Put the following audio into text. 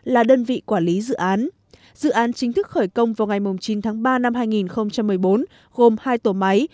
là đơn vị quản lý dự án dự án chính thức khởi công vào ngày chín tháng ba năm hai nghìn một mươi bốn gồm hai tổ máy